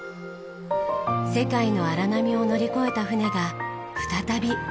世界の荒波を乗り越えた船が再び海へ。